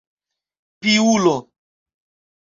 Piulo!